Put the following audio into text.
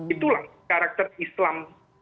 itulah karakter islam